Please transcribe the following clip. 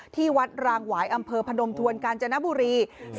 ที่วัดรางหวายอำเภอพนมทวนกาญจนบุรี